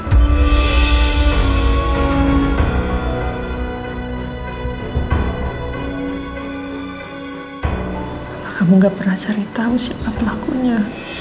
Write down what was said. kamu gak pernah cari tahu siapa pelakunya